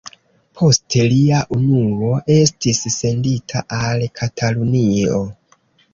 Poste lia unuo estis sendita al Katalunio.